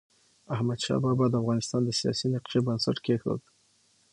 احمدشاه بابا د افغانستان د سیاسی نقشې بنسټ کيښود.